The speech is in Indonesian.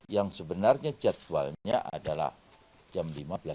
yang sebenarnya jadwalnya adalah jam lima belas tiga puluh